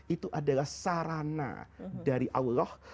itu adalah sarana dari allah